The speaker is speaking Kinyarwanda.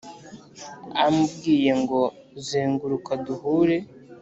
amubwiye ngo zenguruka duhure